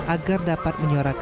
agar dapat menyuarakan asisten